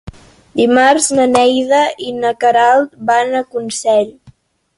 Dimarts na Neida i na Queralt van a Consell.